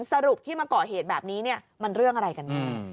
สรุปที่มาก่อเหตุแบบนี้มันเรื่องอะไรกันแน่